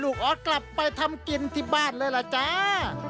รูปออดกลับไปทำกินที่บ้านเลยแล้วจ๊า